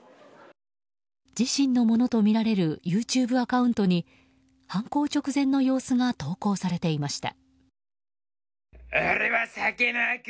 自身のものとみられるＹｏｕＴｕｂｅアカウントに犯行直前の様子が投稿されていました。